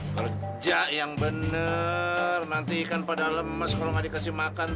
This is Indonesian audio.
kerja yang benar nanti ikan pada lemas kalau tidak diberi makan